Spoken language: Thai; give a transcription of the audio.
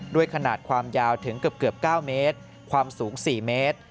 ขนาดความยาวถึงเกือบ๙เมตรความสูง๔เมตร